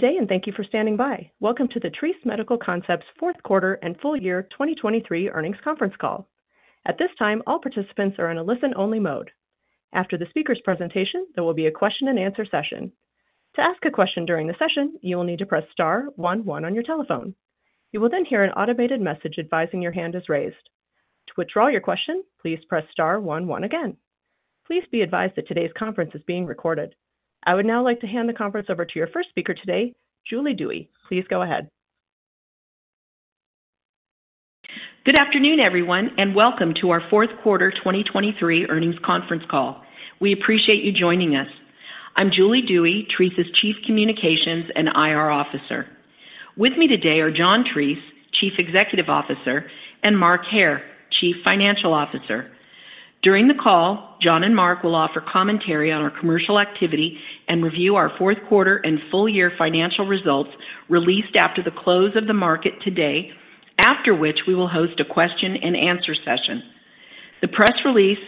Good day, and thank you for standing by. Welcome to the Treace Medical Concepts fourth quarter and FY 2023 Earnings Conference Call. At this time, all participants are in a listen-only mode. After the speaker's presentation, there will be a question-and-answer session. To ask a question during the session, you will need to press star one one on your telephone. You will then hear an automated message advising your hand is raised. To withdraw your question, please press star one one again. Please be advised that today's conference is being recorded. I would now like to hand the conference over to your first speaker today, Julie Dewey. Please go ahead. Good afternoon, everyone, and welcome to our fourth quarter 2023 earnings conference call. We appreciate you joining us. I'm Julie Dewey, Treace's Chief Communications and IR Officer. With me today are John Treace, Chief Executive Officer, and Mark Hair, Chief Financial Officer. During the call, John and Mark will offer commentary on our commercial activity and review our fourth quarter and full year financial results, released after the close of the market today, after which we will host a question-and-answer session. The press release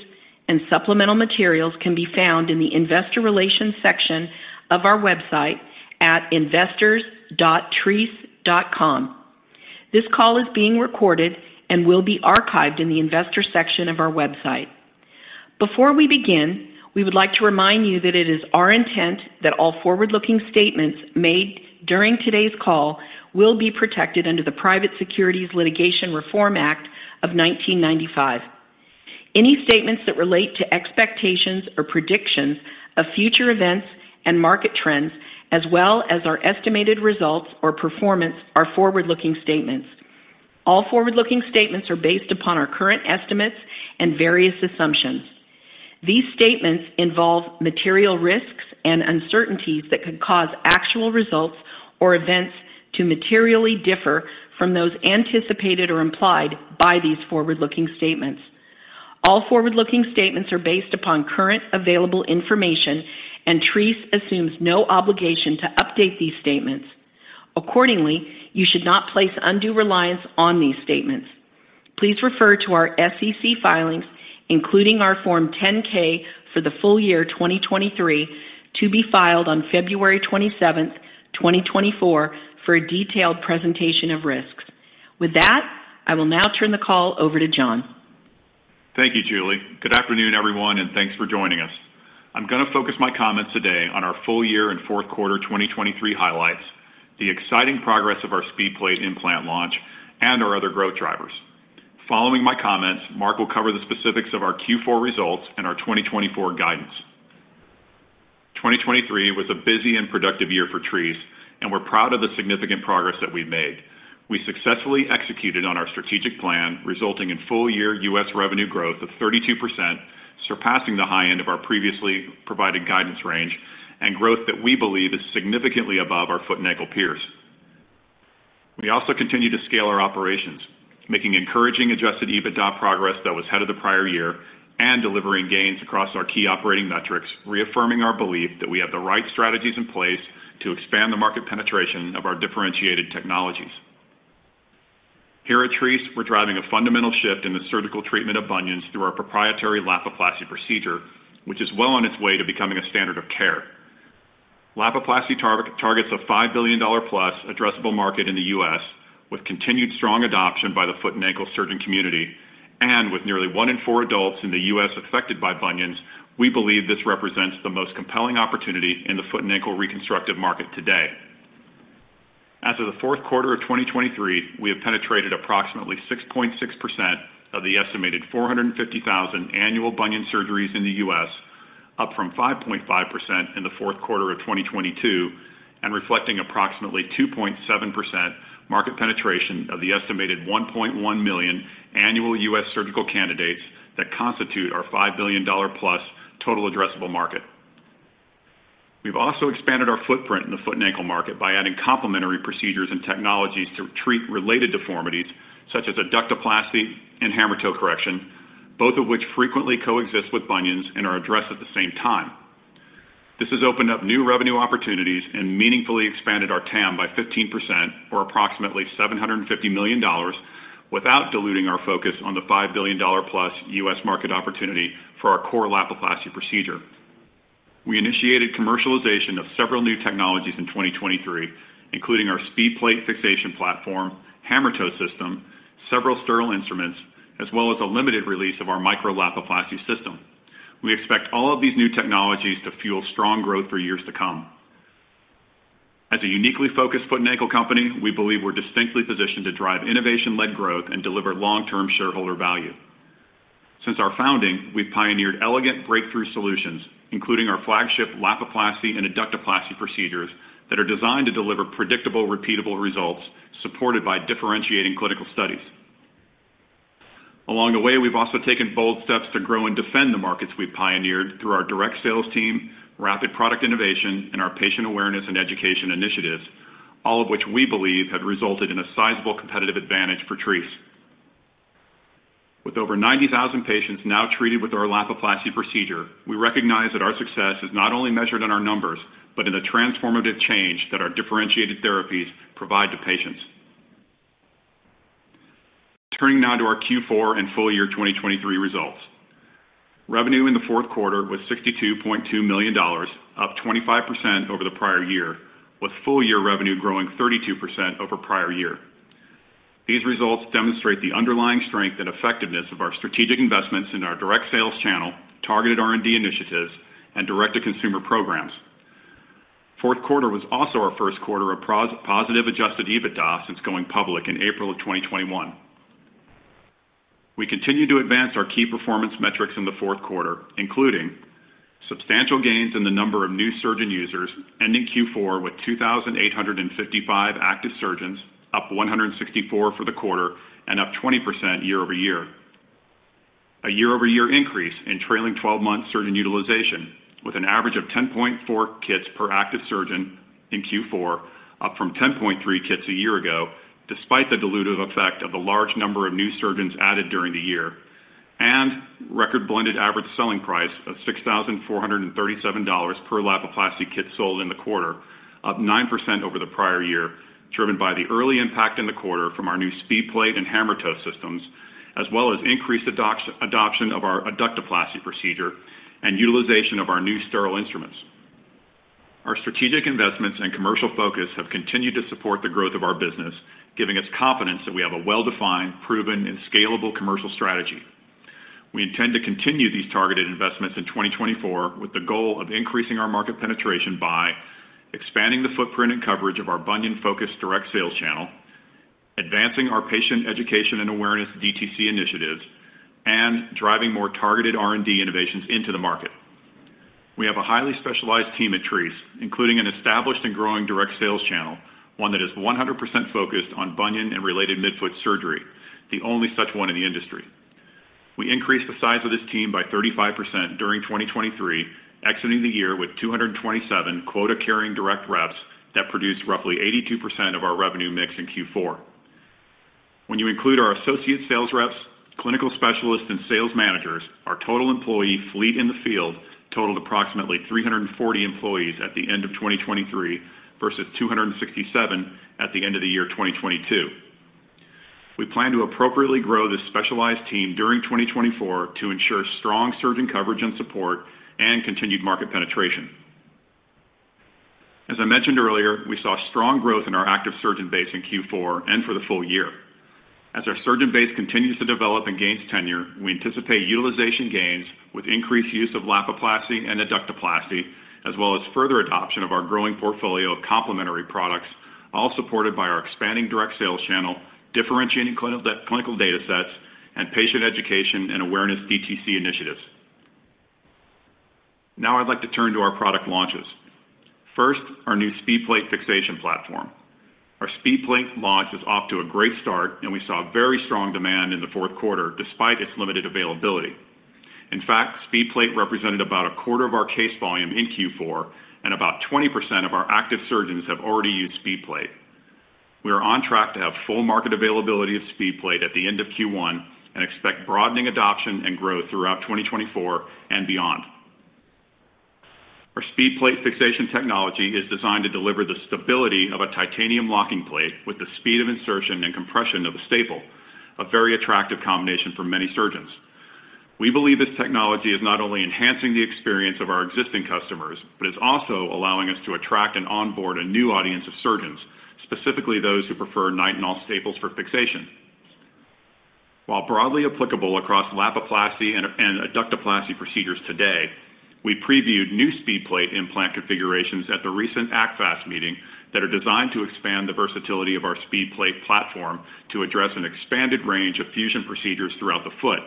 and supplemental materials can be found in the investor relations section of our website at investors.treace.com. This call is being recorded and will be archived in the investors section of our website. Before we begin, we would like to remind you that it is our intent that all forward-looking statements made during today's call will be protected under the Private Securities Litigation Reform Act of 1995. Any statements that relate to expectations or predictions of future events and market trends, as well as our estimated results or performance, are forward-looking statements. All forward-looking statements are based upon our current estimates and various assumptions. These statements involve material risks and uncertainties that could cause actual results or events to materially differ from those anticipated or implied by these forward-looking statements. All forward-looking statements are based upon current available information, and Treace assumes no obligation to update these statements. Accordingly, you should not place undue reliance on these statements. Please refer to our SEC filings, including our Form 10-K for the full year 2023, to be filed on February 27th, 2024, for a detailed presentation of risks. With that, I will now turn the call over to John. Thank you, Julie. Good afternoon, everyone, and thanks for joining us. I'm going to focus my comments today on our full year and fourth quarter 2023 highlights, the exciting progress of our SpeedPlate implant launch, and our other growth drivers. Following my comments, Mark will cover the specifics of our Q4 results and our 2024 guidance. 2023 was a busy and productive year for Treace, and we're proud of the significant progress that we made. We successfully executed on our strategic plan, resulting in full-year US revenue growth of 32%, surpassing the high end of our previously provided guidance range and growth that we believe is significantly above our foot and ankle peers. We also continued to scale our operations, making encouraging adjusted EBITDA progress that was ahead of the prior year and delivering gains across our key operating metrics, reaffirming our belief that we have the right strategies in place to expand the market penetration of our differentiated technologies. Here at Treace, we're driving a fundamental shift in the surgical treatment of bunions through our proprietary Lapiplasty procedure, which is well on its way to becoming a standard of care. Lapiplasty target, targets a $5 billion plus addressable market in the US, with continued strong adoption by the foot and ankle surgeon community. And with nearly one in four adults in the US affected by bunions, we believe this represents the most compelling opportunity in the foot and ankle reconstructive market today. As of the fourth quarter of 2023, we have penetrated approximately 6.6% of the estimated 450,000 annual bunion surgeries in the US, up from 5.5% in the fourth quarter of 2022, and reflecting approximately 2.7% market penetration of the estimated 1.1 million annual US surgical candidates that constitute our $5 billion-plus total addressable market. We've also expanded our footprint in the foot and ankle market by adding complementary procedures and technologies to treat related deformities, such as Adductoplasty and hammertoe correction, both of which frequently coexist with bunions and are addressed at the same time. This has opened up new revenue opportunities and meaningfully expanded our TAM by 15% or approximately $750 million, without diluting our focus on the $5 billion-plus US market opportunity for our core Lapiplasty procedure. We initiated commercialization of several new technologies in 2023, including our SpeedPlate fixation platform, hammertoe system, several sterile instruments, as well as a limited release of our Micro-Lapiplasty System. We expect all of these new technologies to fuel strong growth for years to come. As a uniquely focused foot and ankle company, we believe we're distinctly positioned to drive innovation-led growth and deliver long-term shareholder value. Since our founding, we've pioneered elegant, breakthrough solutions, including our flagship Lapiplasty and Adductoplasty procedures, that are designed to deliver predictable, repeatable results supported by differentiating clinical studies. Along the way, we've also taken bold steps to grow and defend the markets we've pioneered through our direct sales team, rapid product innovation, and our patient awareness and education initiatives, all of which we believe have resulted in a sizable competitive advantage for Treace. With over 90,000 patients now treated with our Lapiplasty procedure, we recognize that our success is not only measured in our numbers, but in the transformative change that our differentiated therapies provide to patients. Turning now to our Q4 and full year 2023 results. Revenue in the fourth quarter was $62.2 million, up 25% over the prior year, with full year revenue growing 32% over prior year. These results demonstrate the underlying strength and effectiveness of our strategic investments in our direct sales channel, targeted R&D initiatives, and direct-to-consumer programs. Fourth quarter was also our first quarter of positive adjusted EBITDA since going public in April of 2021. We continued to advance our key performance metrics in the fourth quarter, including substantial gains in the number of new surgeon users, ending Q4 with 2,855 active surgeons, up 164 for the quarter and up 20% year-over-year. A year-over-year increase in trailing twelve-month surgeon utilization, with an average of 10.4 kits per active surgeon in Q4, up from 10.3 kits a year ago, despite the dilutive effect of the large number of new surgeons added during the year, and record blended average selling price of $6,437 per Lapiplasty kit sold in the quarter, up 9% over the prior year, driven by the early impact in the quarter from our new SpeedPlate and Hammertoe systems, as well as increased adoption of our Adductoplasty procedure and utilization of our new sterile instruments. Our strategic investments and commercial focus have continued to support the growth of our business, giving us confidence that we have a well-defined, proven, and scalable commercial strategy. We intend to continue these targeted investments in 2024, with the goal of increasing our market penetration by expanding the footprint and coverage of our bunion-focused direct sales channel, advancing our patient education and awareness DTC initiatives, and driving more targeted R&D innovations into the market. We have a highly specialized team at Treace, including an established and growing direct sales channel, one that is 100% focused on bunion and related midfoot surgery, the only such one in the industry. We increased the size of this team by 35% during 2023, exiting the year with 227 quota-carrying direct reps that produced roughly 82% of our revenue mix in Q4. When you include our associate sales reps, clinical specialists, and sales managers, our total employee fleet in the field totaled approximately 340 employees at the end of 2023 versus 267 at the end of the year 2022. We plan to appropriately grow this specialized team during 2024 to ensure strong surgeon coverage and support and continued market penetration. As I mentioned earlier, we saw strong growth in our active surgeon base in Q4 and for the full year. As our surgeon base continues to develop and gains tenure, we anticipate utilization gains with increased use of Lapiplasty and Adductoplasty, as well as further adoption of our growing portfolio of complementary products, all supported by our expanding direct sales channel, differentiating clinical data sets, and patient education and awareness DTC initiatives. Now, I'd like to turn to our product launches. First, our new SpeedPlate fixation platform. Our SpeedPlate launch is off to a great start, and we saw very strong demand in the fourth quarter, despite its limited availability. In fact, SpeedPlate represented about a quarter of our case volume in Q4, and about 20% of our active surgeons have already used SpeedPlate. We are on track to have full market availability of SpeedPlate at the end of Q1, and expect broadening adoption and growth throughout 2024 and beyond. Our SpeedPlate fixation technology is designed to deliver the stability of a titanium locking plate with the speed of insertion and compression of a staple, a very attractive combination for many surgeons. We believe this technology is not only enhancing the experience of our existing customers, but is also allowing us to attract and onboard a new audience of surgeons, specifically those who prefer nitinol staples for fixation. While broadly applicable across Lapiplasty and Adductoplasty procedures today, we previewed new SpeedPlate implant configurations at the recent ACFAS meeting that are designed to expand the versatility of our SpeedPlate platform to address an expanded range of fusion procedures throughout the foot.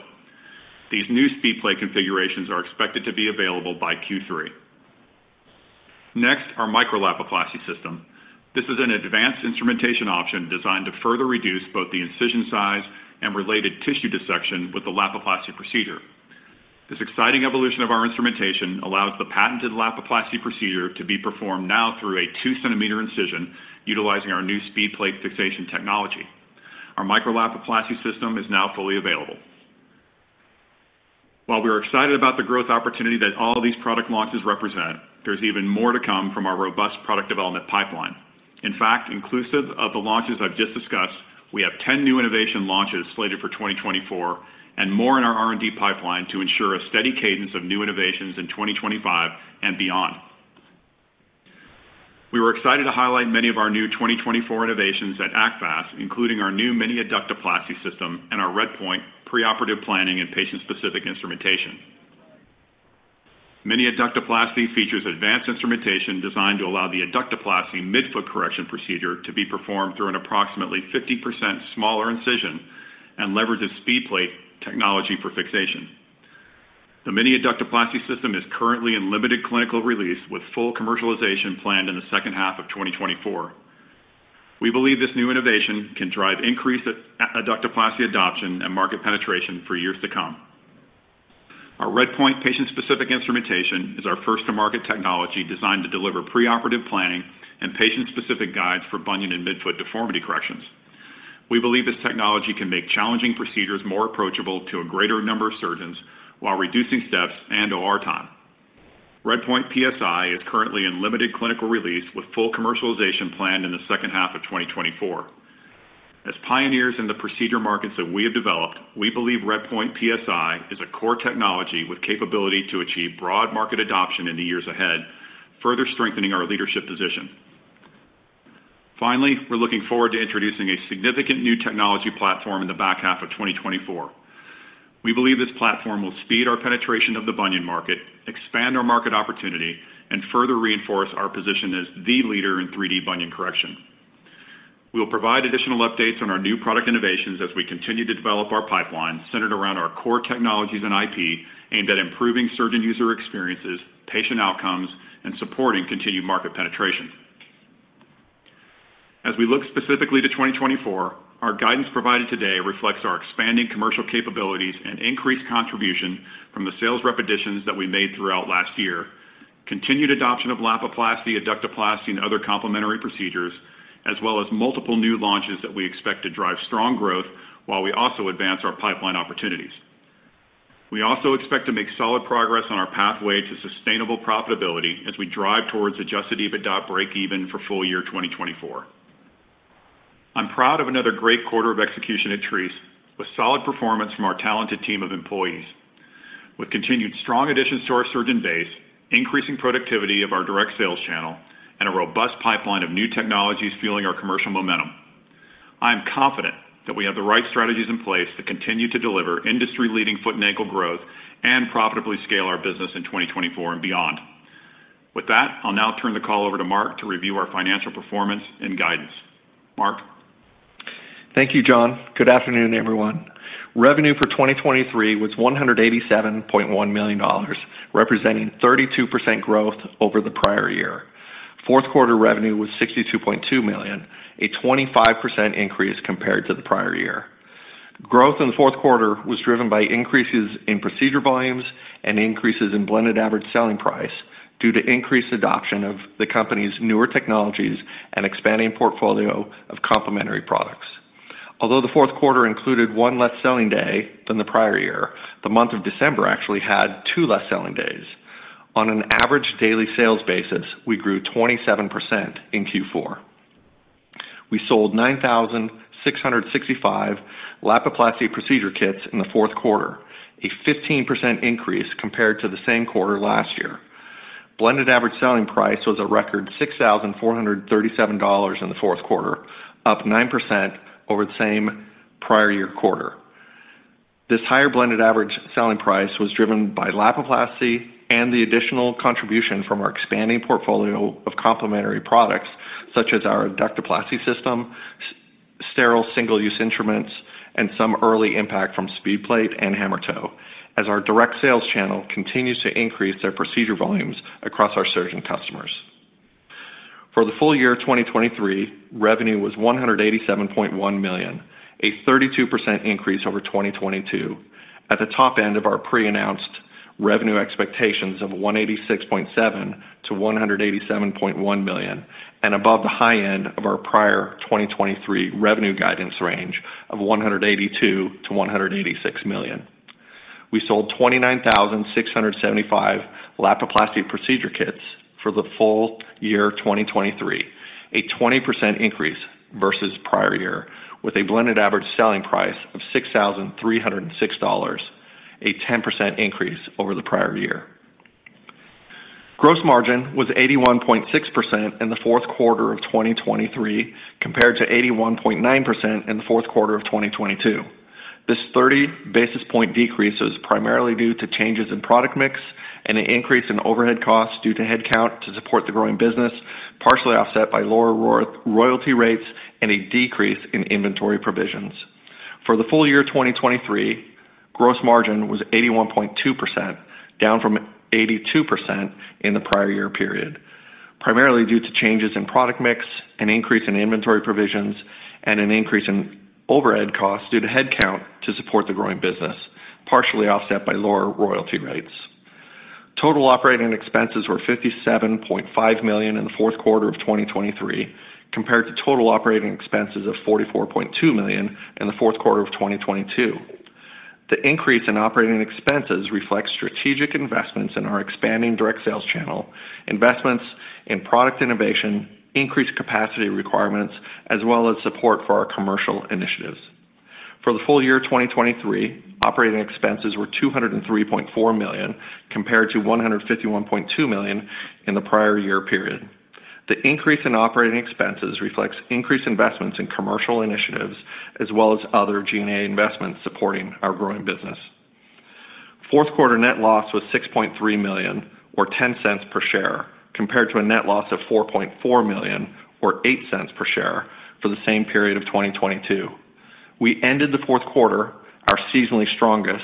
These new SpeedPlate configurations are expected to be available by Q3. Next, our Micro Lapiplasty System. This is an advanced instrumentation option designed to further reduce both the incision size and related tissue dissection with the Lapiplasty procedure. This exciting evolution of our instrumentation allows the patented Lapiplasty procedure to be performed now through a 2-centimeter incision utilizing our new SpeedPlate fixation technology. Our Micro Lapiplasty System is now fully available. While we are excited about the growth opportunity that all of these product launches represent, there's even more to come from our robust product development pipeline. In fact, inclusive of the launches I've just discussed, we have 10 new innovation launches slated for 2024 and more in our R&D pipeline to ensure a steady cadence of new innovations in 2025 and beyond. We were excited to highlight many of our new 2024 innovations at ACFAS, including our new mini Adductoplasty System and our RedPoint preoperative planning and patient-specific instrumentation. Mini Adductoplasty features advanced instrumentation designed to allow the Adductoplasty midfoot correction procedure to be performed through an approximately 50% smaller incision and leverages SpeedPlate technology for fixation. The Mini Adductoplasty system is currently in limited clinical release, with full commercialization planned in the second half of 2024. We believe this new innovation can drive increased Adductoplasty adoption and market penetration for years to come. Our RedPoint patient-specific instrumentation is our first-to-market technology designed to deliver preoperative planning and patient-specific guides for bunion and midfoot deformity corrections. We believe this technology can make challenging procedures more approachable to a greater number of surgeons while reducing steps and OR time.... RedPoint PSI is currently in limited clinical release, with full commercialization planned in the second half of 2024. As pioneers in the procedure markets that we have developed, we believe RedPoint PSI is a core technology with capability to achieve broad market adoption in the years ahead, further strengthening our leadership position. Finally, we're looking forward to introducing a significant new technology platform in the back half of 2024. We believe this platform will speed our penetration of the bunion market, expand our market opportunity, and further reinforce our position as the leader in 3D bunion correction. We'll provide additional updates on our new product innovations as we continue to develop our pipeline, centered around our core technologies and IP, aimed at improving surgeon user experiences, patient outcomes, and supporting continued market penetration. As we look specifically to 2024, our guidance provided today reflects our expanding commercial capabilities and increased contribution from the sales rep additions that we made throughout last year, continued adoption of Lapiplasty, Adductoplasty, and other complementary procedures, as well as multiple new launches that we expect to drive strong growth while we also advance our pipeline opportunities. We also expect to make solid progress on our pathway to sustainable profitability as we drive towards adjusted EBITDA breakeven for full year 2024. I'm proud of another great quarter of execution at Treace, with solid performance from our talented team of employees. With continued strong additions to our surgeon base, increasing productivity of our direct sales channel, and a robust pipeline of new technologies fueling our commercial momentum, I am confident that we have the right strategies in place to continue to deliver industry-leading foot and ankle growth and profitably scale our business in 2024 and beyond. With that, I'll now turn the call over to Mark to review our financial performance and guidance. Mark? Thank you, John. Good afternoon, everyone. Revenue for 2023 was $187.1 million, representing 32% growth over the prior year. Fourth quarter revenue was $62.2 million, a 25% increase compared to the prior year. Growth in the fourth quarter was driven by increases in procedure volumes and increases in blended average selling price, due to increased adoption of the company's newer technologies and expanding portfolio of complementary products. Although the fourth quarter included one less selling day than the prior year, the month of December actually had two less selling days. On an average daily sales basis, we grew 27% in Q4. We sold 9,665 Lapiplasty procedure kits in the fourth quarter, a 15% increase compared to the same quarter last year. Blended average selling price was a record $6,437 in the fourth quarter, up 9% over the same prior year quarter. This higher blended average selling price was driven by Lapiplasty and the additional contribution from our expanding portfolio of complementary products, such as our Adductoplasty system, sterile, single-use instruments, and some early impact from SpeedPlate and Hammertoe, as our direct sales channel continues to increase their procedure volumes across our surgeon customers. For the full year of 2023, revenue was $187.1 million, a 32% increase over 2022, at the top end of our pre-announced revenue expectations of $186.7-$187.1 million, and above the high end of our prior 2023 revenue guidance range of $182-$186 million. We sold 29,675 Lapiplasty procedure kits for the full year of 2023, a 20% increase versus prior year, with a blended average selling price of $6,306, a 10% increase over the prior year. Gross margin was 81.6% in the fourth quarter of 2023, compared to 81.9% in the fourth quarter of 2022. This 30 basis point decrease is primarily due to changes in product mix and an increase in overhead costs due to headcount to support the growing business, partially offset by lower royalty rates and a decrease in inventory provisions. For the full year of 2023, gross margin was 81.2%, down from 82% in the prior year period, primarily due to changes in product mix, an increase in inventory provisions, and an increase in overhead costs due to headcount to support the growing business, partially offset by lower royalty rates. Total operating expenses were $57.5 million in the fourth quarter of 2023, compared to total operating expenses of $44.2 million in the fourth quarter of 2022. The increase in operating expenses reflects strategic investments in our expanding direct sales channel, investments in product innovation, increased capacity requirements, as well as support for our commercial initiatives. For the full year of 2023, operating expenses were $203.4 million, compared to $151.2 million in the prior year period. The increase in operating expenses reflects increased investments in commercial initiatives, as well as other G&A investments supporting our growing business. Fourth quarter net loss was $6.3 million, or $0.10 per share, compared to a net loss of $4.4 million, or $0.08 per share, for the same period of 2022. We ended the fourth quarter, our seasonally strongest,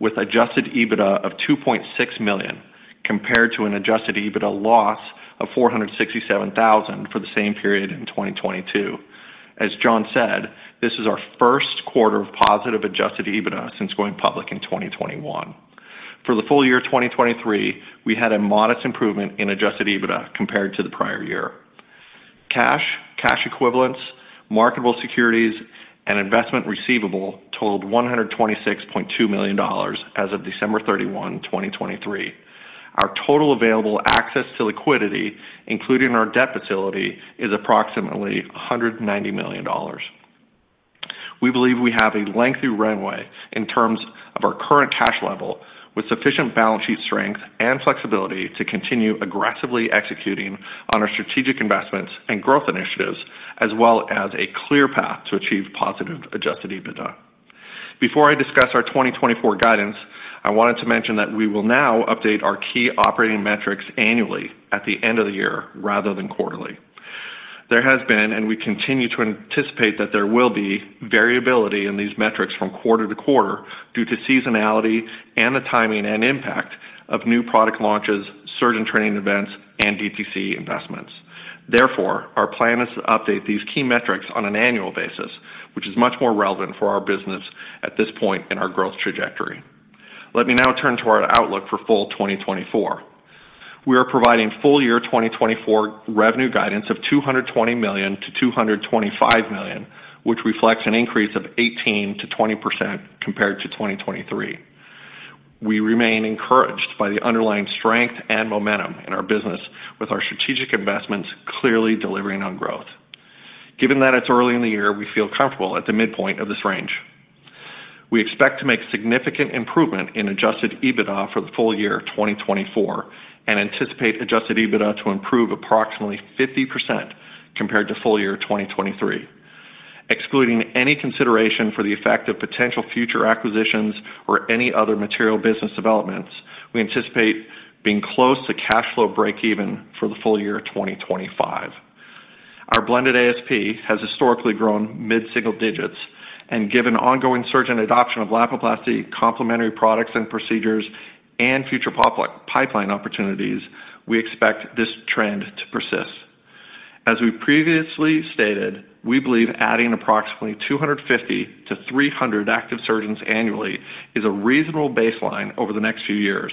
with adjusted EBITDA of $2.6 million, compared to an adjusted EBITDA loss of $467,000 for the same period in 2022. As John said, this is our first quarter of positive adjusted EBITDA since going public in 2021. For the full year of 2023, we had a modest improvement in adjusted EBITDA compared to the prior year.... Cash, cash equivalents, marketable securities, and investment receivable totaled $126.2 million as of December 31, 2023. Our total available access to liquidity, including our debt facility, is approximately $190 million. We believe we have a lengthy runway in terms of our current cash level, with sufficient balance sheet strength and flexibility to continue aggressively executing on our strategic investments and growth initiatives, as well as a clear path to achieve positive adjusted EBITDA. Before I discuss our 2024 guidance, I wanted to mention that we will now update our key operating metrics annually at the end of the year rather than quarterly. There has been, and we continue to anticipate that there will be, variability in these metrics from quarter to quarter due to seasonality and the timing and impact of new product launches, surgeon training events, and DTC investments. Therefore, our plan is to update these key metrics on an annual basis, which is much more relevant for our business at this point in our growth trajectory. Let me now turn to our outlook for full 2024. We are providing full year 2024 revenue guidance of $220 million-$225 million, which reflects an increase of 18%-20% compared to 2023. We remain encouraged by the underlying strength and momentum in our business, with our strategic investments clearly delivering on growth. Given that it's early in the year, we feel comfortable at the midpoint of this range. We expect to make significant improvement in adjusted EBITDA for the full year of 2024 and anticipate adjusted EBITDA to improve approximately 50% compared to full year 2023. Excluding any consideration for the effect of potential future acquisitions or any other material business developments, we anticipate being close to cash flow breakeven for the full year of 2025. Our blended ASP has historically grown mid-single digits, and given ongoing surgeon adoption of Lapiplasty, complementary products and procedures, and future product pipeline opportunities, we expect this trend to persist. As we previously stated, we believe adding approximately 250-300 active surgeons annually is a reasonable baseline over the next few years,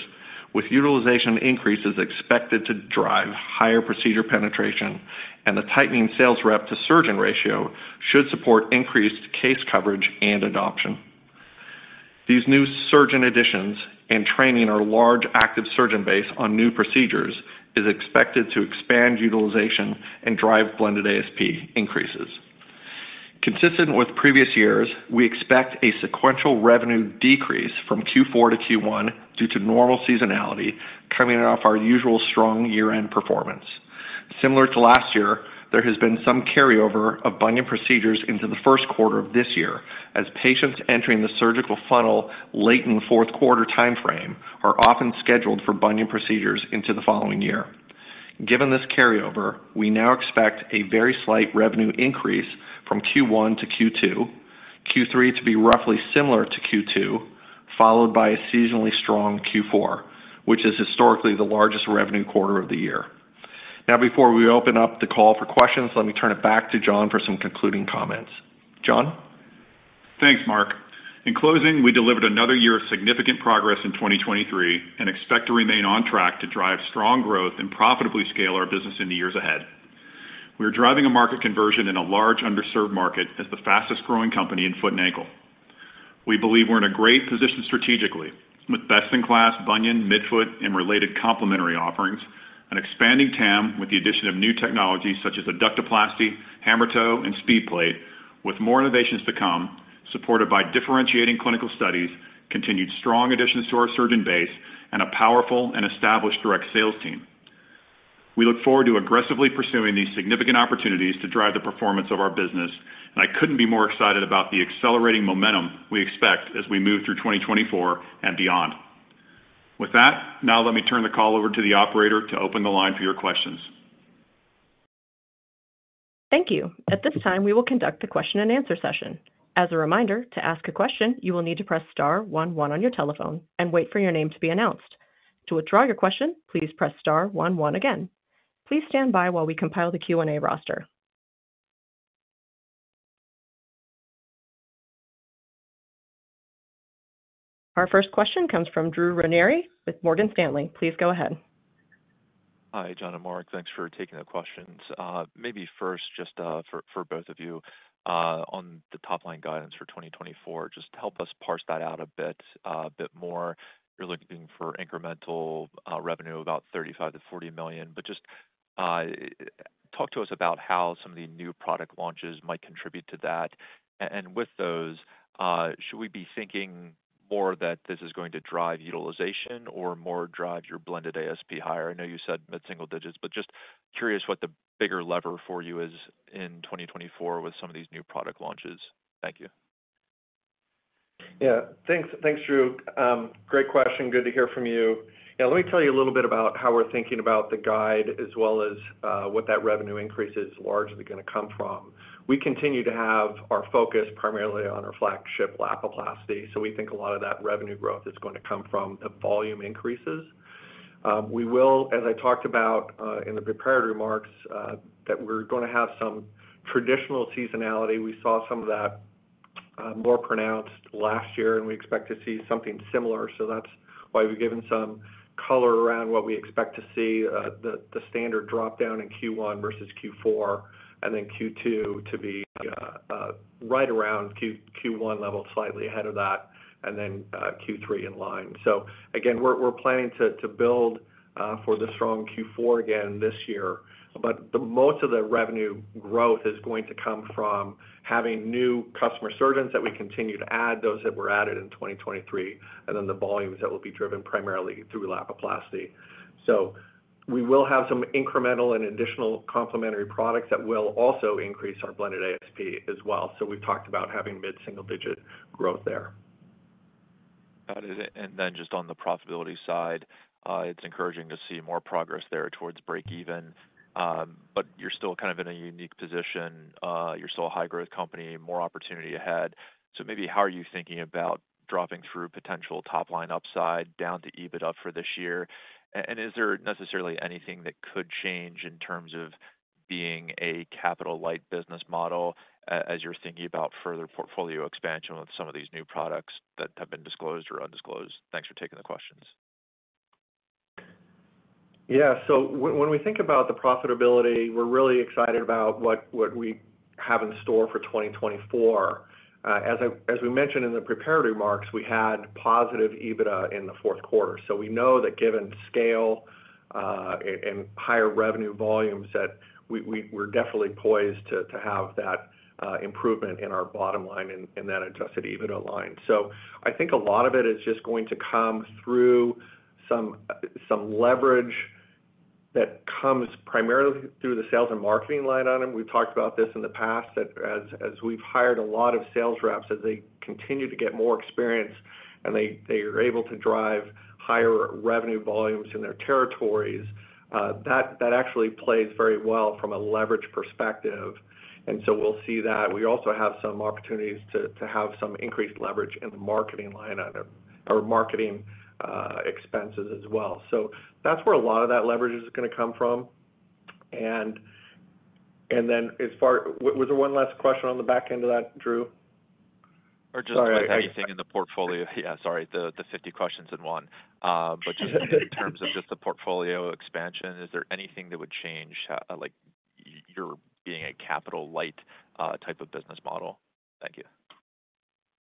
with utilization increases expected to drive higher procedure penetration and the tightening sales rep to surgeon ratio should support increased case coverage and adoption. These new surgeon additions and training our large active surgeon base on new procedures is expected to expand utilization and drive blended ASP increases. Consistent with previous years, we expect a sequential revenue decrease from Q4 to Q1 due to normal seasonality, coming off our usual strong year-end performance. Similar to last year, there has been some carryover of bunion procedures into the first quarter of this year, as patients entering the surgical funnel late in the fourth quarter time frame are often scheduled for bunion procedures into the following year. Given this carryover, we now expect a very slight revenue increase from Q1 to Q2, Q3 to be roughly similar to Q2, followed by a seasonally strong Q4, which is historically the largest revenue quarter of the year. Now, before we open up the call for questions, let me turn it back to John for some concluding comments. John? Thanks, Mark. In closing, we delivered another year of significant progress in 2023 and expect to remain on track to drive strong growth and profitably scale our business in the years ahead. We are driving a market conversion in a large, underserved market as the fastest growing company in foot and ankle. We believe we're in a great position strategically, with best-in-class bunion, midfoot, and related complementary offerings, an expanding TAM with the addition of new technologies such as Adductoplasty, Hammertoe, and SpeedPlate, with more innovations to come, supported by differentiating clinical studies, continued strong additions to our surgeon base, and a powerful and established direct sales team. We look forward to aggressively pursuing these significant opportunities to drive the performance of our business, and I couldn't be more excited about the accelerating momentum we expect as we move through 2024 and beyond. With that, now let me turn the call over to the operator to open the line for your questions. Thank you. At this time, we will conduct the question-and-answer session. As a reminder, to ask a question, you will need to press star one one on your telephone and wait for your name to be announced. To withdraw your question, please press star one one again. Please stand by while we compile the Q&A roster. Our first question comes from Drew Ranieri with Morgan Stanley. Please go ahead. Hi, John and Mark. Thanks for taking the questions. Maybe first, just for both of you, on the top-line guidance for 2024, just help us parse that out a bit more. You're looking for incremental revenue, about $35 million-$40 million, but just talk to us about how some of the new product launches might contribute to that. And with those, should we be thinking more that this is going to drive utilization or more drive your blended ASP higher? I know you said mid-single digits, but just curious what the bigger lever for you is in 2024 with some of these new product launches. Thank you. Yeah, thanks. Thanks, Drew. Great question. Good to hear from you. Yeah, let me tell you a little bit about how we're thinking about the guide, as well as, what that revenue increase is largely going to come from. We continue to have our focus primarily on our flagship Lapiplasty, so we think a lot of that revenue growth is going to come from the volume increases. We will, as I talked about, in the prepared remarks, that we're going to have some traditional seasonality. We saw some of that more pronounced last year, and we expect to see something similar. So that's why we've given some color around what we expect to see, the standard drop down in Q1 versus Q4, and then Q2 to be right around Q1 level, slightly ahead of that, and then Q3 in line. So again, we're planning to build for the strong Q4 again this year. But the most of the revenue growth is going to come from having new customer surgeons that we continue to add, those that were added in 2023, and then the volumes that will be driven primarily through Lapiplasty. So we will have some incremental and additional complementary products that will also increase our blended ASP as well. So we've talked about having mid-single-digit growth there. Got it. And then just on the profitability side, it's encouraging to see more progress there towards breakeven. But you're still kind of in a unique position. You're still a high growth company, more opportunity ahead. So maybe how are you thinking about dropping through potential top line upside down to EBITDA for this year? And is there necessarily anything that could change in terms of being a capital-light business model as you're thinking about further portfolio expansion with some of these new products that have been disclosed or undisclosed? Thanks for taking the questions. Yeah. So when we think about the profitability, we're really excited about what we have in store for 2024. As we mentioned in the prepared remarks, we had positive EBITDA in the fourth quarter. So we know that given scale, and higher revenue volumes, that we're definitely poised to have that improvement in our bottom line in that adjusted EBITDA line. So I think a lot of it is just going to come through some leverage that comes primarily through the sales and marketing line on them. We've talked about this in the past, that as we've hired a lot of sales reps, as they continue to get more experience and they are able to drive higher revenue volumes in their territories, that actually plays very well from a leverage perspective, and so we'll see that. We also have some opportunities to have some increased leverage in the marketing line item, or marketing expenses as well. So that's where a lot of that leverage is gonna come from. And then as far... Was there one last question on the back end of that, Drew? Sorry, I- Or just anything in the portfolio? Yeah, sorry, the 50 questions in one. But just in terms of just the portfolio expansion, is there anything that would change, like, you're being a capital-light type of business model? Thank you.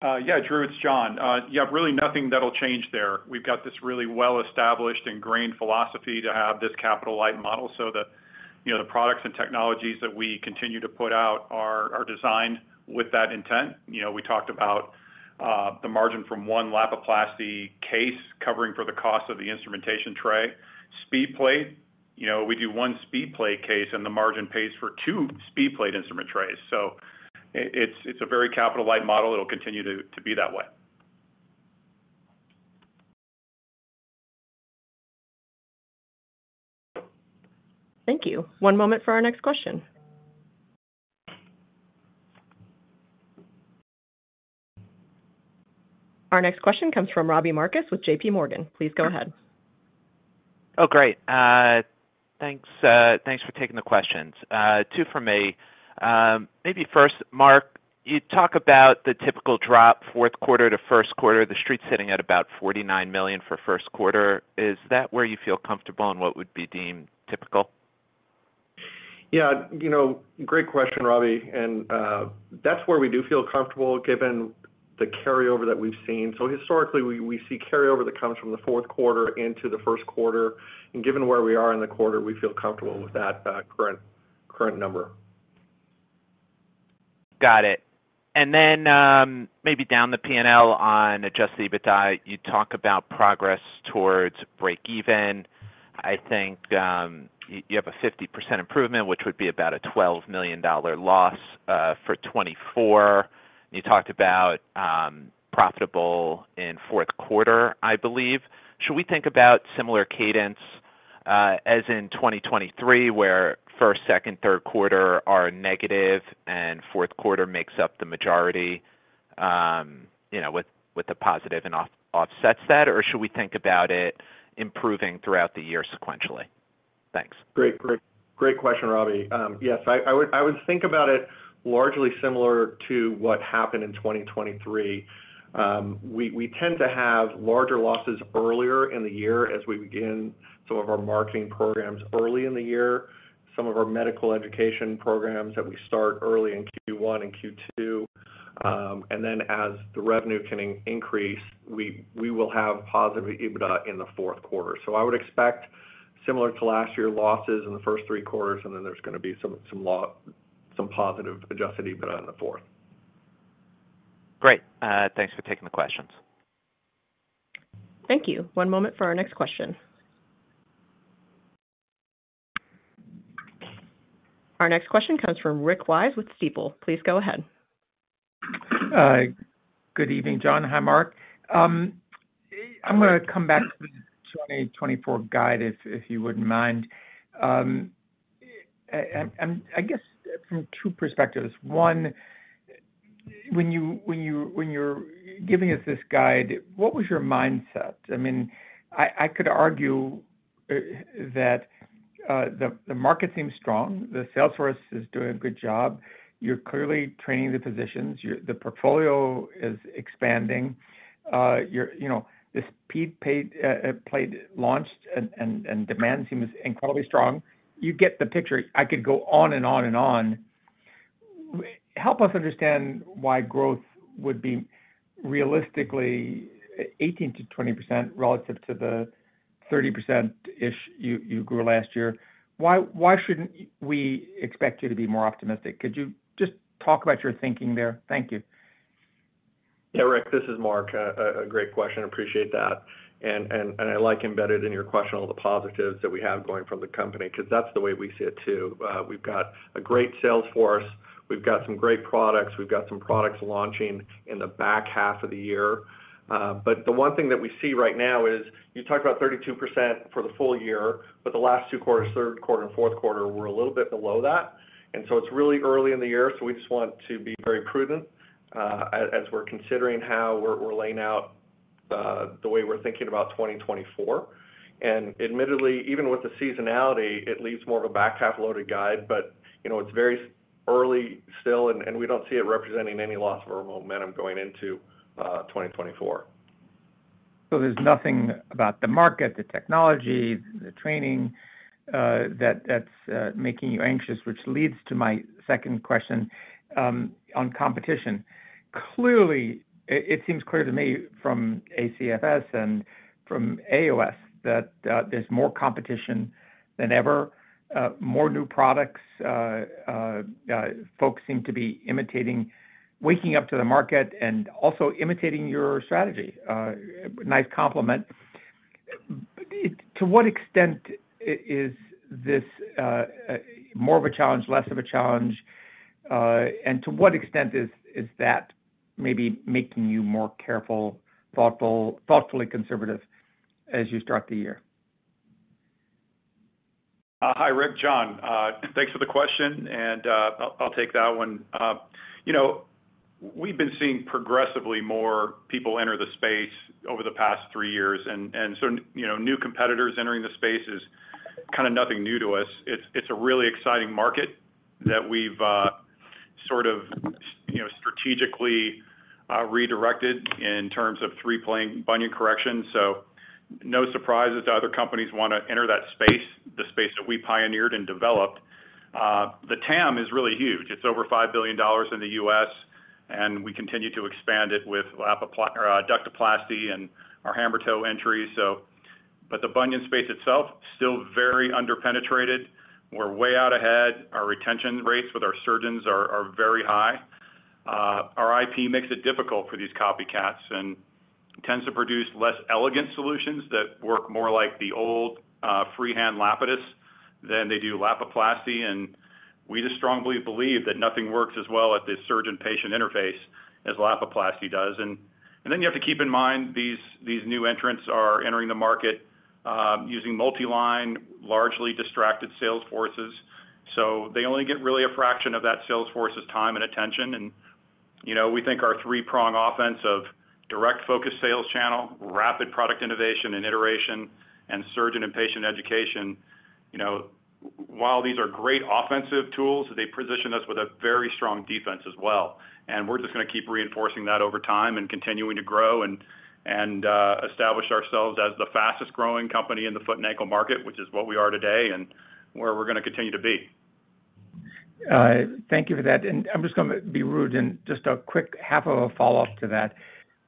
Yeah, Drew, it's John. Yeah, really nothing that'll change there. We've got this really well-established, ingrained philosophy to have this capital-light model, so, you know, the products and technologies that we continue to put out are designed with that intent. You know, we talked about the margin from one Lapiplasty case covering for the cost of the instrumentation tray. SpeedPlate, you know, we do one SpeedPlate case, and the margin pays for two SpeedPlate instrument trays. So it's a very capital-light model. It'll continue to be that way. Thank you. One moment for our next question. Our next question comes from Robbie Marcus with J.P. Morgan. Please go ahead. Oh, great. Thanks, thanks for taking the questions. Two for me. Maybe first, Mark, you talk about the typical drop, fourth quarter to first quarter. The Street's sitting at about $49 million for first quarter. Is that where you feel comfortable and what would be deemed typical? Yeah, you know, great question, Robbie, and that's where we do feel comfortable, given the carryover that we've seen. So historically, we see carryover that comes from the fourth quarter into the first quarter, and given where we are in the quarter, we feel comfortable with that current number. Got it. And then, maybe down the P&L on adjusted EBITDA, you talk about progress towards breakeven. I think, you have a 50% improvement, which would be about a $12 million loss, for 2024. You talked about, profitable in fourth quarter, I believe. Should we think about similar cadence, as in 2023, where first, second, third quarter are negative, and fourth quarter makes up the majority, you know, with the positive and offsets that? Or should we think about it improving throughout the year sequentially? Thanks. Great, great, great question, Robbie. Yes, I would think about it largely similar to what happened in 2023. We tend to have larger losses earlier in the year as we begin some of our marketing programs early in the year, some of our medical education programs that we start early in Q1 and Q2. And then as the revenue can increase, we will have positive EBITDA in the fourth quarter. So I would expect, similar to last year, losses in the first three quarters, and then there's gonna be some positive adjusted EBITDA in the fourth. Great. Thanks for taking the questions. Thank you. One moment for our next question. Our next question comes from Rick Wise with Stifel. Please go ahead. Good evening, John. Hi, Mark. I'm gonna come back to the 2024 guide, if you wouldn't mind. I guess from two perspectives. One, when you're giving us this guide, what was your mindset? I mean, I could argue-... the market seems strong, the sales force is doing a good job. You're clearly training the physicians. The portfolio is expanding. You're, you know, this SpeedPlate launched, and demand seems incredibly strong. You get the picture, I could go on and on and on. Help us understand why growth would be realistically 18%-20% relative to the 30%-ish you grew last year. Why shouldn't we expect you to be more optimistic? Could you just talk about your thinking there? Thank you. Yeah, Rick, this is Mark. A great question. Appreciate that. I like embedded in your question, all the positives that we have going from the company, because that's the way we see it too. We've got a great sales force. We've got some great products. We've got some products launching in the back half of the year. But the one thing that we see right now is, you talked about 32% for the full year, but the last two quarters, third quarter and fourth quarter, were a little bit below that. And so it's really early in the year, so we just want to be very prudent, as we're considering how we're laying out, the way we're thinking about 2024. Admittedly, even with the seasonality, it leaves more of a back half loaded guide, but, you know, it's very early still, and we don't see it representing any loss of our momentum going into 2024. So there's nothing about the market, the technology, the training, that that's making you anxious, which leads to my second question, on competition. Clearly, it seems clear to me from ACFAS and from AOFAS, that there's more competition than ever, more new products, folks seem to be imitating waking up to the market and also imitating your strategy. Nice compliment. To what extent is this more of a challenge, less of a challenge? And to what extent is that maybe making you more careful, thoughtful, thoughtfully conservative as you start the year? Hi, Rick, John. Thanks for the question, and I'll take that one. You know, we've been seeing progressively more people enter the space over the past three years, and so, you know, new competitors entering the space is kind of nothing new to us. It's a really exciting market that we've sort of, you know, strategically redirected in terms of three-plane bunion correction. So no surprises that other companies want to enter that space, the space that we pioneered and developed. The TAM is really huge. It's over $5 billion in the US, and we continue to expand it with Lapiplasty or Adductoplasty and our hammertoe entry. So, but the bunion space itself, still very underpenetrated. We're way out ahead. Our retention rates with our surgeons are very high. Our IP makes it difficult for these copycats and tends to produce less elegant solutions that work more like the old, freehand Lapidus than they do Lapiplasty. And we just strongly believe that nothing works as well at the surgeon-patient interface as Lapiplasty does. And then you have to keep in mind, these new entrants are entering the market using multi-line, largely distracted sales forces. So they only get really a fraction of that sales force's time and attention. And, you know, we think our three-prong offense of direct focus sales channel, rapid product innovation and iteration, and surgeon and patient education, you know, while these are great offensive tools, they position us with a very strong defense as well. And we're just going to keep reinforcing that over time and continuing to grow and establish ourselves as the fastest growing company in the foot and ankle market, which is what we are today and where we're going to continue to be. Thank you for that. I'm just going to be rude and just a quick half of a follow-up to that.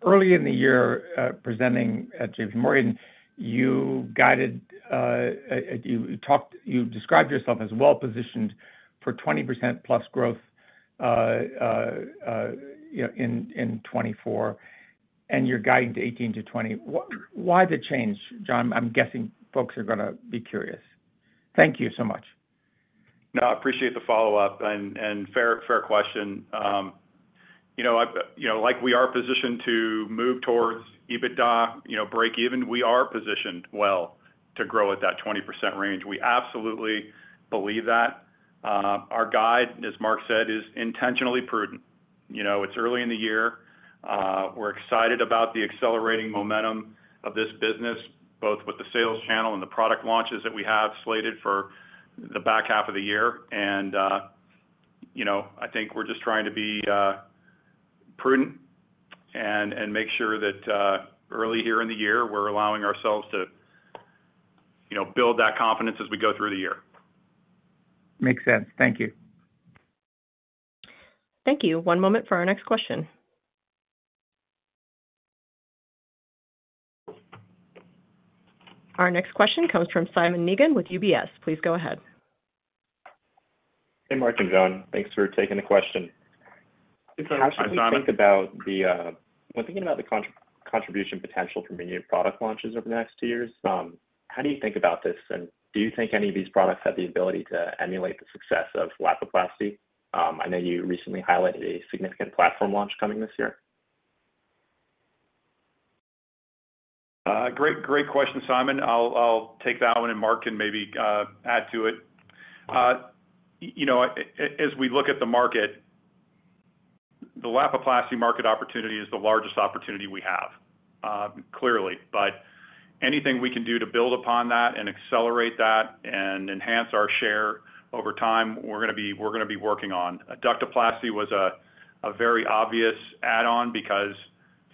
Early in the year, presenting at JPMorgan, you guided, you described yourself as well-positioned for 20%+ growth, you know, in 2024, and you're guiding to 18%-20%. Why the change, John? I'm guessing folks are going to be curious. Thank you so much. No, I appreciate the follow-up and, and fair, fair question. You know, I, you know, like we are positioned to move towards EBITDA, you know, breakeven, we are positioned well to grow at that 20% range. We absolutely believe that. Our guide, as Mark said, is intentionally prudent. You know, it's early in the year. We're excited about the accelerating momentum of this business, both with the sales channel and the product launches that we have slated for the back half of the year. And, you know, I think we're just trying to be prudent and, and make sure that, early here in the year, we're allowing ourselves to, you know, build that confidence as we go through the year. Makes sense. Thank you. Thank you. One moment for our next question. Our next question comes from Simon Megan with UBS. Please go ahead. Hey, Mark and John. Thanks for taking the question. Hi, Simon. How should we think about when thinking about the contribution potential from new product launches over the next two years, how do you think about this? And do you think any of these products have the ability to emulate the success of Lapiplasty? I know you recently highlighted a significant platform launch coming this year. Great, great question, Simon. I'll take that one, and Mark can maybe add to it. You know, as we look at the market- ... the Lapiplasty market opportunity is the largest opportunity we have, clearly. But anything we can do to build upon that and accelerate that and enhance our share over time, we're gonna be, we're gonna be working on. Adductoplasty was a very obvious add-on because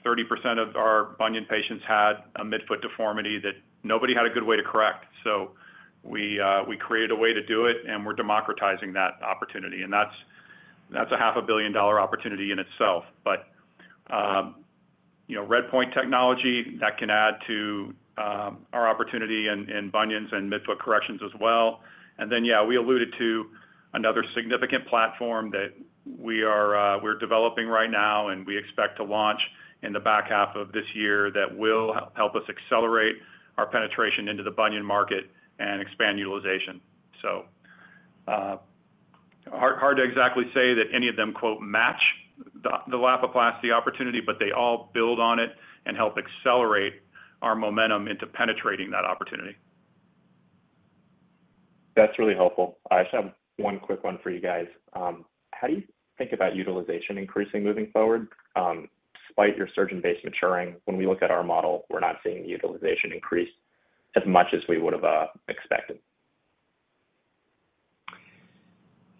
30% of our bunion patients had a midfoot deformity that nobody had a good way to correct. So we created a way to do it, and we're democratizing that opportunity, and that's a $500 million opportunity in itself. But you know, RedPoint technology, that can add to our opportunity in bunions and midfoot corrections as well. Then, yeah, we alluded to another significant platform that we are, we're developing right now, and we expect to launch in the back half of this year that will help us accelerate our penetration into the bunion market and expand utilization. So, hard to exactly say that any of them, quote, "match" the Lapiplasty opportunity, but they all build on it and help accelerate our momentum into penetrating that opportunity. That's really helpful. I just have one quick one for you guys. How do you think about utilization increasing moving forward, despite your surgeon base maturing? When we look at our model, we're not seeing utilization increase as much as we would have expected. Yeah,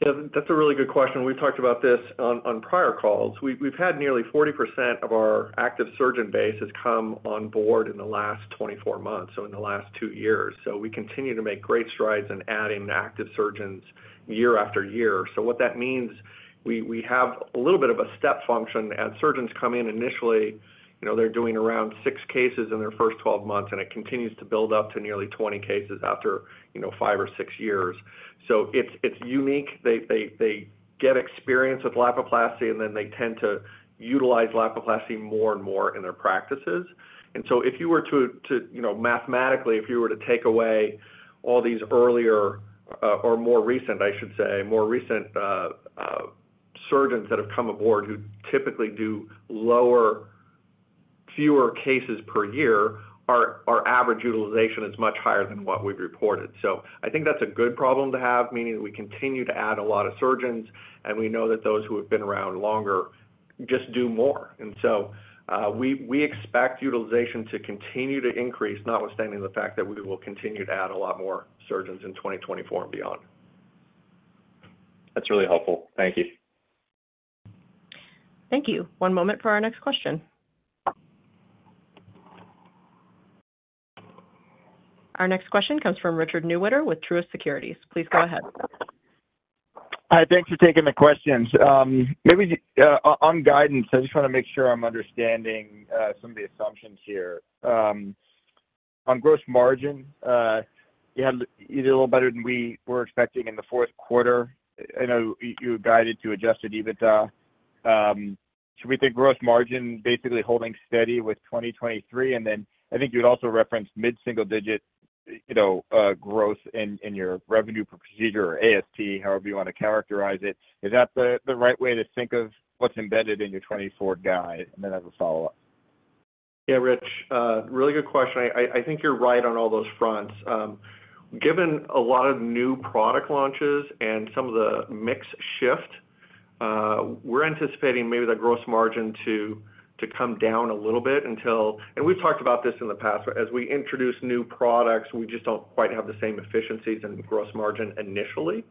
that's a really good question. We've talked about this on, on prior calls. We've, we've had nearly 40% of our active surgeon base has come on board in the last 24 months, so in the last two years. So we continue to make great strides in adding active surgeons year after year. So what that means, we, we have a little bit of a step function. As surgeons come in initially, you know, they're doing around 6 cases in their first 12 months, and it continues to build up to nearly 20 cases after, you know, 5 or 6 years. So it's, it's unique. They, they, they get experience with Lapiplasty, and then they tend to utilize Lapiplasty more and more in their practices. And so if you were to, you know, mathematically, if you were to take away all these earlier, or more recent, I should say, more recent, surgeons that have come aboard who typically do lower, fewer cases per year, our average utilization is much higher than what we've reported. So I think that's a good problem to have, meaning that we continue to add a lot of surgeons, and we know that those who have been around longer just do more. And so, we expect utilization to continue to increase, notwithstanding the fact that we will continue to add a lot more surgeons in 2024 and beyond. That's really helpful. Thank you. Thank you. One moment for our next question. Our next question comes from Richard Newitter with Truist Securities. Please go ahead. Hi, thanks for taking the questions. Maybe just on guidance, I just want to make sure I'm understanding some of the assumptions here. On gross margin, you had... You did a little better than we were expecting in the fourth quarter. I know you had guided to adjusted EBITDA. Should we think gross margin basically holding steady with 2023? And then I think you had also referenced mid-single-digit, you know, growth in your revenue per procedure or ASC, however you want to characterize it. Is that the right way to think of what's embedded in your 2024 guide? And then I have a follow-up. Yeah, Rich, really good question. I think you're right on all those fronts. Given a lot of new product launches and some of the mix shift, we're anticipating maybe the gross margin to come down a little bit until—and we've talked about this in the past, but as we introduce new products, we just don't quite have the same efficiencies and gross margin initially.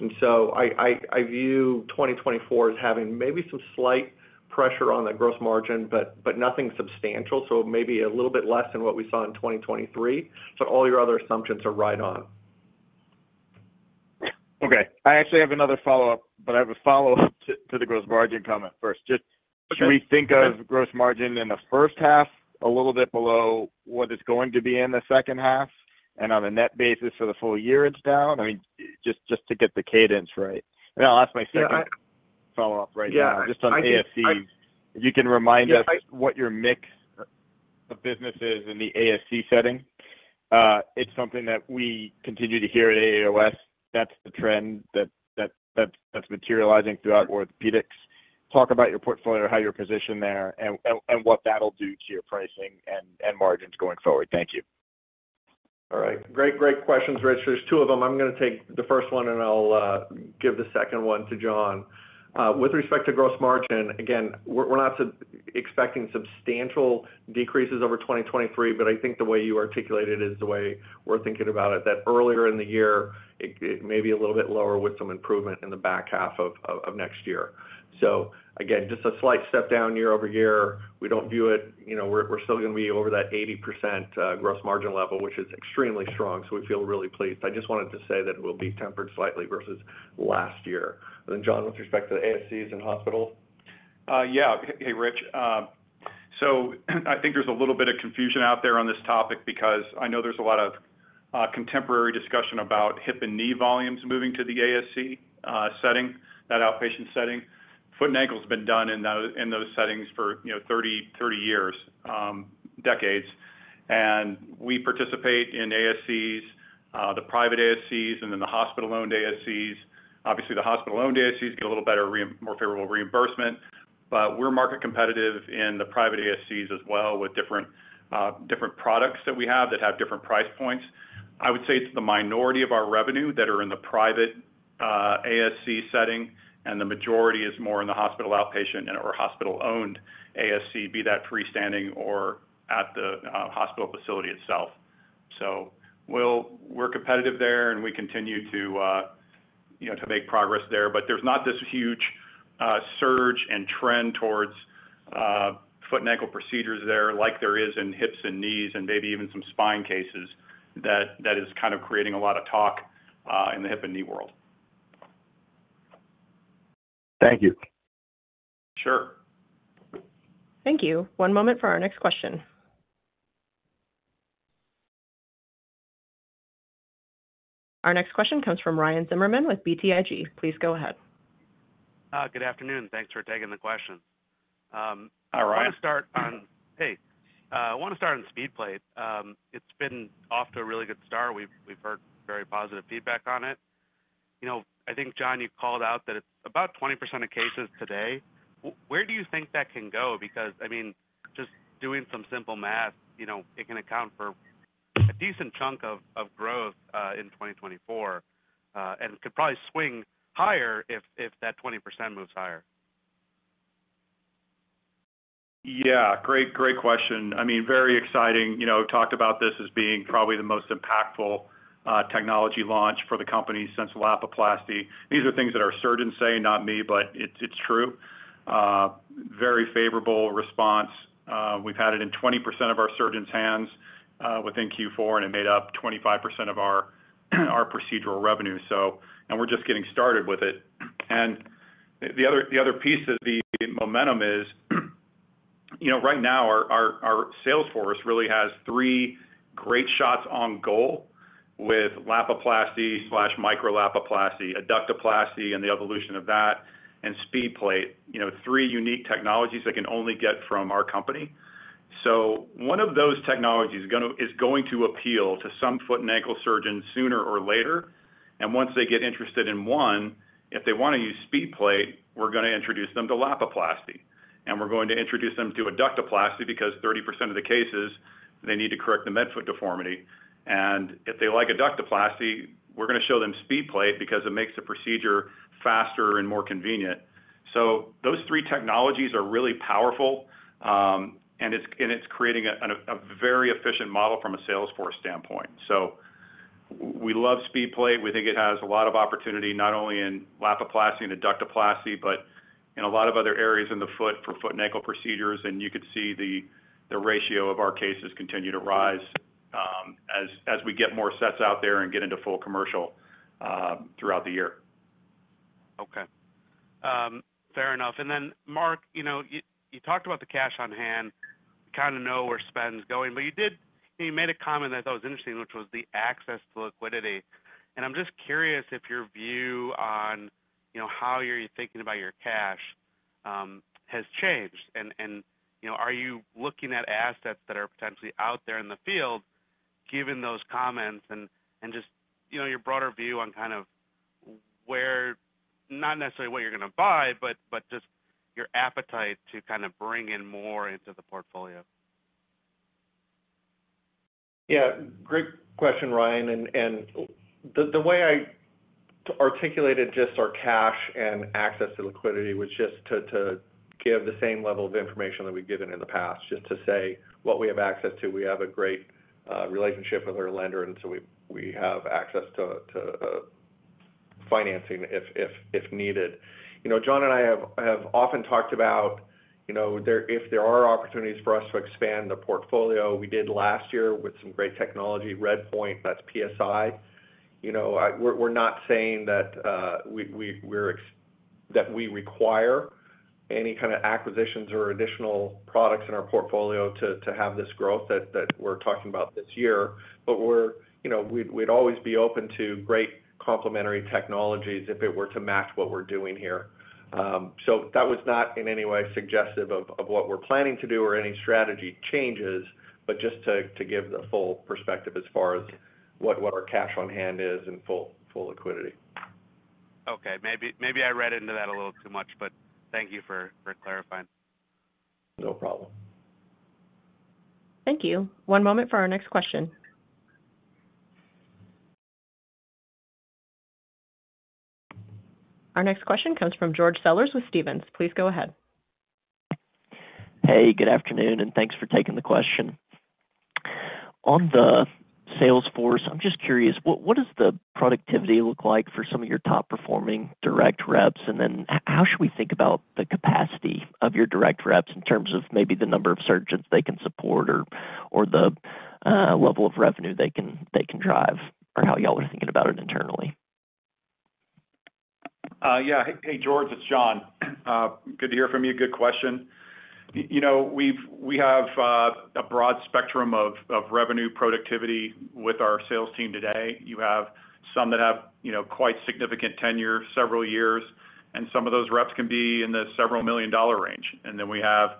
And so I view 2024 as having maybe some slight pressure on the gross margin, but nothing substantial, so maybe a little bit less than what we saw in 2023. So all your other assumptions are right on. Okay. I actually have another follow-up, but I have a follow-up to the gross margin comment first. Okay. Just should we think of gross margin in the first half, a little bit below what it's going to be in the second half? And on a net basis for the full year, it's down? I mean, just, just to get the cadence right. And I'll ask my second- Yeah, I- - follow-up right now. Yeah, Just on ASC, if you can remind us what your mix of business is in the ASC setting. It's something that we continue to hear at AAOS. That's the trend that's materializing throughout orthopedics. Talk about your portfolio, how you're positioned there, and what that'll do to your pricing and margins going forward. Thank you. All right. Great, great questions, Rich. There's two of them. I'm gonna take the first one, and I'll give the second one to John. With respect to gross margin, again, we're not expecting substantial decreases over 2023, but I think the way you articulate it is the way we're thinking about it. That earlier in the year, it may be a little bit lower, with some improvement in the back half of next year. So again, just a slight step down year-over-year. We don't view it, you know, we're still gonna be over that 80% gross margin level, which is extremely strong, so we feel really pleased. I just wanted to say that it will be tempered slightly versus last year. Then, John, with respect to the ASCs and hospitals? Yeah. Hey, Rich, so I think there's a little bit of confusion out there on this topic because I know there's a lot of, contemporary discussion about hip and knee volumes moving to the ASC, setting, that outpatient setting. Foot and ankle's been done in those, in those settings for, you know, 30, 30 years, decades, and we participate in ASCs, the private ASCs, and then the hospital-owned ASCs. Obviously, the hospital-owned ASCs get a little better more favorable reimbursement, but we're market competitive in the private ASCs as well, with different, different products that we have that have different price points. I would say it's the minority of our revenue that are in the private... ASC setting, and the majority is more in the hospital outpatient and or hospital-owned ASC, be that freestanding or at the hospital facility itself. So we're competitive there, and we continue to, you know, to make progress there. But there's not this huge surge and trend towards foot and ankle procedures there like there is in hips and knees and maybe even some spine cases that is kind of creating a lot of talk in the hip and knee world. Thank you. Sure. Thank you. One moment for our next question. Our next question comes from Ryan Zimmerman with BTIG. Please go ahead. Good afternoon. Thanks for taking the question. Hi, Ryan. I want to start on SpeedPlate. It's been off to a really good start. We've heard very positive feedback on it. You know, I think, John, you called out that it's about 20% of cases today. Where do you think that can go? Because, I mean, just doing some simple math, you know, it can account for a decent chunk of growth in 2024 and could probably swing higher if that 20% moves higher. Yeah, great, great question. I mean, very exciting. You know, talked about this as being probably the most impactful technology launch for the company since Lapiplasty. These are things that our surgeons say, not me, but it's true. Very favorable response. We've had it in 20% of our surgeons' hands within Q4, and it made up 25% of our procedural revenue, so... We're just getting started with it. The other piece of the momentum is, you know, right now, our sales force really has three great shots on goal with Lapiplasty/Micro Lapiplasty, Adductoplasty, and the evolution of that, and SpeedPlate. You know, three unique technologies they can only get from our company. So one of those technologies is going to appeal to some foot and ankle surgeons sooner or later. Once they get interested in one, if they want to use SpeedPlate, we're going to introduce them to Lapiplasty. We're going to introduce them to Adductoplasty because 30% of the cases, they need to correct the midfoot deformity. If they like Adductoplasty, we're going to show them SpeedPlate because it makes the procedure faster and more convenient. So those three technologies are really powerful, and it's creating a very efficient model from a sales force standpoint. We love SpeedPlate. We think it has a lot of opportunity, not only in Lapiplasty and Adductoplasty, but in a lot of other areas in the foot for foot and ankle procedures. You could see the ratio of our cases continue to rise, as we get more sets out there and get into full commercial throughout the year. Okay. Fair enough. And then, Mark, you know, you talked about the cash on hand. We kind of know where spend's going, but you made a comment that I thought was interesting, which was the access to liquidity. And I'm just curious if your view on, you know, how you're thinking about your cash, has changed. And, you know, are you looking at assets that are potentially out there in the field, given those comments and, just, you know, your broader view on kind of where, not necessarily what you're going to buy, but just your appetite to kind of bring in more into the portfolio? Yeah, great question, Ryan. And the way I articulated just our cash and access to liquidity was just to give the same level of information that we've given in the past, just to say what we have access to. We have a great relationship with our lender, and so we have access to financing if needed. You know, John and I have often talked about, you know, there—if there are opportunities for us to expand the portfolio, we did last year with some great technology, RedPoint, that's PSI. You know, we're not saying that we require any kind of acquisitions or additional products in our portfolio to have this growth that we're talking about this year. But we're, you know, we'd always be open to great complementary technologies if it were to match what we're doing here. So that was not in any way suggestive of what we're planning to do or any strategy changes, but just to give the full perspective as far as what our cash on hand is and full liquidity. Okay. Maybe, maybe I read into that a little too much, but thank you for, for clarifying. No problem. Thank you. One moment for our next question. Our next question comes from George Sellers with Stephens. Please go ahead. Hey, good afternoon, and thanks for taking the question. On the sales force, I'm just curious, what does the productivity look like for some of your top-performing direct reps? And then how should we think about the capacity of your direct reps in terms of maybe the number of surgeons they can support or the level of revenue they can drive, or how y'all are thinking about it internally? Yeah. Hey, George, it's John. Good to hear from you. Good question. You know, we have a broad spectrum of revenue productivity with our sales team today. You have some that have, you know, quite significant tenure, several years, and some of those reps can be in the $ 7 million range. And then we have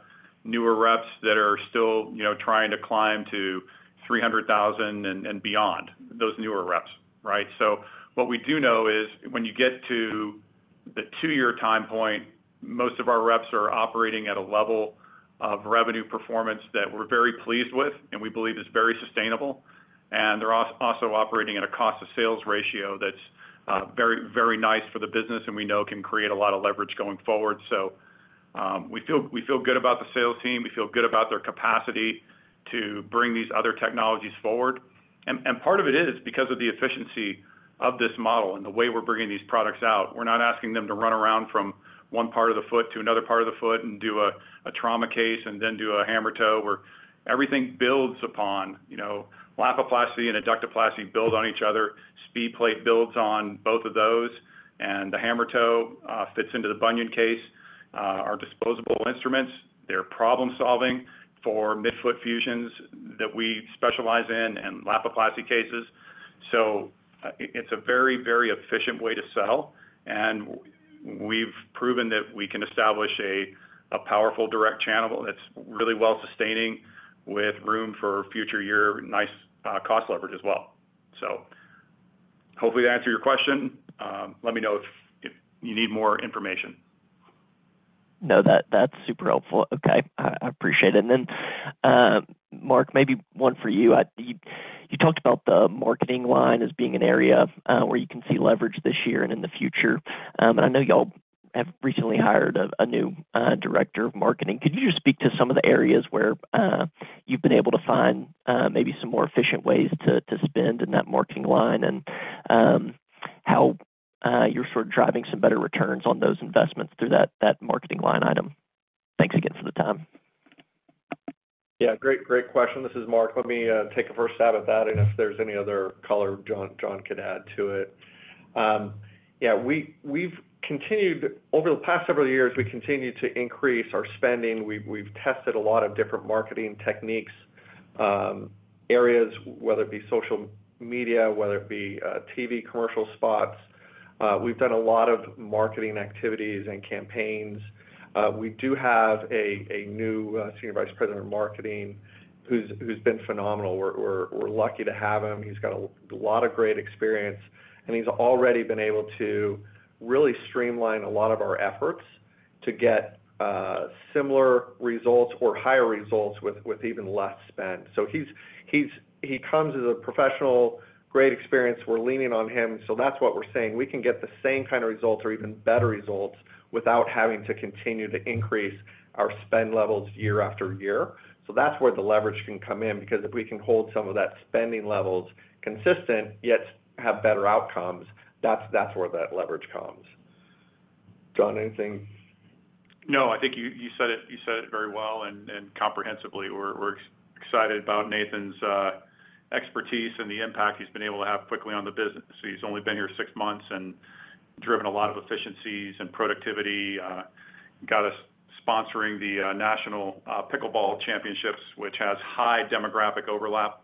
newer reps that are still, you know, trying to climb to $300,000 and beyond those newer reps, right? So what we do know is when you get to-... the two-year time point, most of our reps are operating at a level of revenue performance that we're very pleased with and we believe is very sustainable. And they're also operating at a cost of sales ratio that's very, very nice for the business and we know can create a lot of leverage going forward. So, we feel, we feel good about the sales team. We feel good about their capacity to bring these other technologies forward. And part of it is because of the efficiency of this model and the way we're bringing these products out. We're not asking them to run around from one part of the foot to another part of the foot and do a trauma case and then do a hammer toe, where everything builds upon, you know, Lapiplasty and Adductoplasty build on each other. SpeedPlate builds on both of those, and the hammer toe fits into the bunion case. Our disposable instruments, they're problem-solving for midfoot fusions that we specialize in and Lapiplasty cases. So it's a very, very efficient way to sell, and we've proven that we can establish a powerful direct channel that's really well sustaining with room for future year, nice, cost leverage as well. So hopefully, that answered your question. Let me know if you need more information. No, that's super helpful. Okay. I appreciate it. And then, Mark, maybe one for you. You talked about the marketing line as being an area where you can see leverage this year and in the future. And I know y'all have recently hired a new director of marketing. Could you just speak to some of the areas where you've been able to find maybe some more efficient ways to spend in that marketing line and how you're sort of driving some better returns on those investments through that marketing line item? Thanks again for the time. Yeah, great, great question. This is Mark. Let me take a first stab at that, and if there's any other color, John can add to it. Yeah, we've continued over the past several years, we continued to increase our spending. We've tested a lot of different marketing techniques, areas, whether it be social media, whether it be TV commercial spots. We've done a lot of marketing activities and campaigns. We do have a new senior vice president of marketing, who's been phenomenal. We're lucky to have him. He's got a lot of great experience, and he's already been able to really streamline a lot of our efforts to get similar results or higher results with even less spend. So he's he comes as a professional, great experience. We're leaning on him, so that's what we're saying. We can get the same kind of results or even better results without having to continue to increase our spend levels year after year. So that's where the leverage can come in, because if we can hold some of that spending levels consistent, yet have better outcomes, that's, that's where that leverage comes. John, anything? No, I think you, you said it, you said it very well and, and comprehensively. We're, we're excited about Nathan's expertise and the impact he's been able to have quickly on the business. He's only been here six months and driven a lot of efficiencies and productivity. Got us sponsoring the National Pickleball Championships, which has high demographic overlap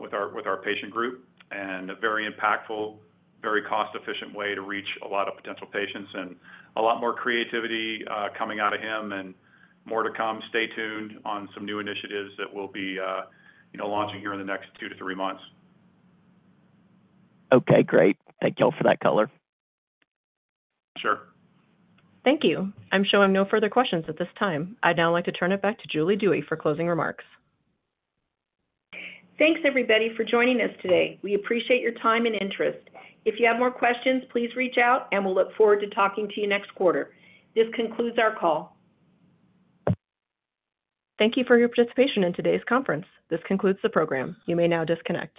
with our, with our patient group, and a very impactful, very cost-efficient way to reach a lot of potential patients. And a lot more creativity coming out of him and more to come. Stay tuned on some new initiatives that we'll be, you know, launching here in the next two to three months. Okay, great. Thank you all for that color. Sure. Thank you. I'm showing no further questions at this time. I'd now like to turn it back to Julie Dewey for closing remarks. Thanks, everybody, for joining us today. We appreciate your time and interest. If you have more questions, please reach out, and we'll look forward to talking to you next quarter. This concludes our call. Thank you for your participation in today's conference. This concludes the program. You may now disconnect.